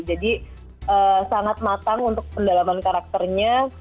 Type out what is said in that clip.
jadi sangat matang untuk pendalaman karakternya